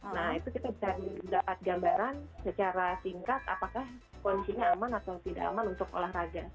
nah itu kita bisa dapat gambaran secara singkat apakah kondisinya aman atau tidak aman untuk olahraga